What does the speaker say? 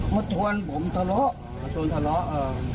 มาชวนผมทะเลาะ